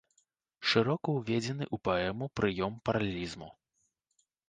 Шырока ўведзены ў паэму прыём паралелізму.